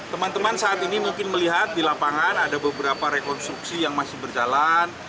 teman teman saat ini mungkin melihat di lapangan ada beberapa rekonstruksi yang masih berjalan